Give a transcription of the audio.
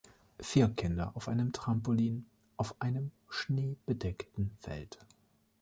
Vier Kinder auf einem Trampolin, auf einem schneebedeckten Feld.